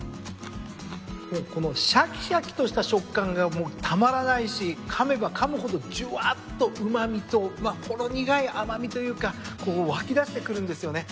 このシャキシャキとした食感がもうたまらないしかめばかむほどじゅわっとうま味とほろ苦い甘味というか湧き出してくるんですよね。